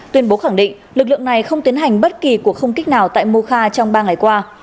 tuyên bố khẳng định lực lượng này không tiến hành bất kỳ cuộc không kích nào tại mokha trong ba ngày qua